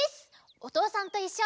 「おとうさんといっしょ」